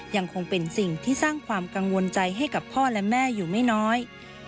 ยังคงเป็นสิ่งที่สร้างความกังวลใจให้กับพ่อและแม่อยู่ไม่น้อย